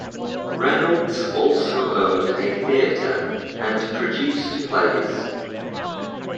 Reynolds also owned a theater and produced plays.